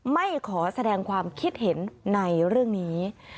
ไม่ขอแสดงความคิดเห็นในเรื่องนี้